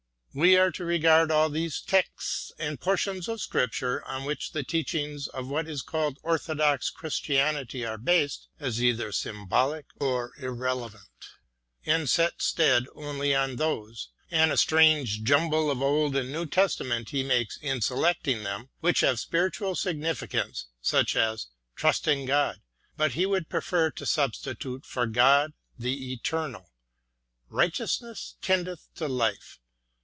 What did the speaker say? We are to regard all those texts and portions of Scripture on which the teachings of what is called Orthodox Christianity are based as either symbolic or irrelevant, and set stead only on those — and a strange jumble of Old and New Testament he makes in selecting them — ^which have spiritual significance, such as " Trust in God "— but he would prefer to substitute for " God "" the Eternal "—" Righteousness tendeth to life